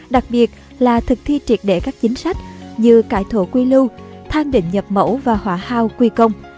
đặc biệt là thực thi triệt đẻ các chính sách như cải thổ quy lưu thang định nhập mẫu và hỏa hao quy công